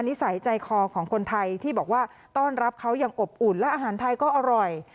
นิสัยใจคอของคนไทยที่บอกว่าต้อนรับเขาอย่างอบอุ่นและอาหารไทยก็อร่อย